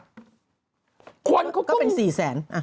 หรือก็เป็น๔แสน